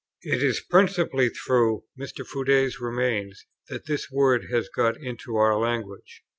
It is principally through Mr. Froude's Remains that this word has got into our language.